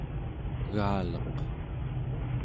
egaleq